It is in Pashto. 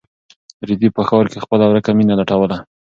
رېدی په ښار کې خپله ورکه مینه لټوي.